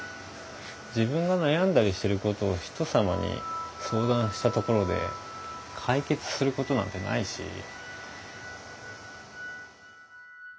自分が悩んだりしてることを人様に相談したところで解決することなんてないし。